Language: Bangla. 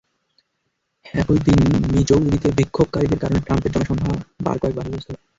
একই দিন মিজৌরিতে বিক্ষোভকারীদের কারণে ট্রাম্পের জনসভা বার কয়েক বাধাগ্রস্ত হয়।